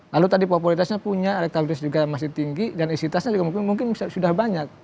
lalu tadi popularitasnya punya elektabilitas juga masih tinggi dan isitasnya juga mungkin sudah banyak